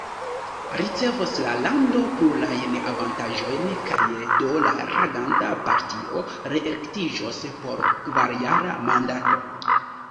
Ricevos la lando plurajn avantaĝojn, kaj do la reganta partio reelektiĝos por kvarjara mandato.